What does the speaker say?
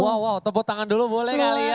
wow tepuk tangan dulu boleh kali ya